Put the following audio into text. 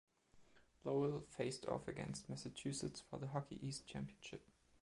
Lowell faced off against Massachusetts for the Hockey East championship.